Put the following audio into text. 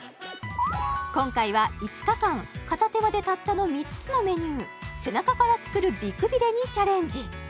今回は５日間片手間でたったの３つのメニュー背中から作る美くびれにチャレンジ